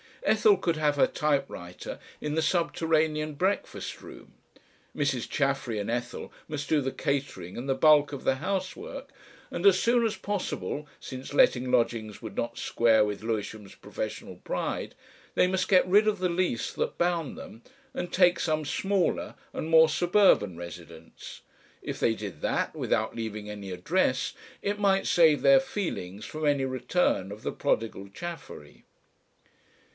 Ethel could have her typewriter in the subterranean breakfast room. Mrs. Chaffery and Ethel must do the catering and the bulk of the housework, and as soon as possible, since letting lodgings would not square with Lewisham's professional pride, they must get rid of the lease that bound them and take some smaller and more suburban residence. If they did that without leaving any address it might save their feelings from any return of the prodigal Chaffery.